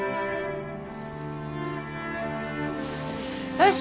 よし！